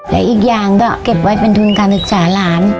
และอีกอย่างก็เก็บไว้เป็นทุนการศึกษาหลาน